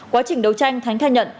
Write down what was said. quá trình đấu tranh thánh khai nhận